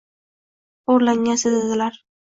xoʻrlangan sezadilar